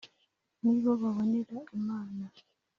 Ni bo babonera Imana,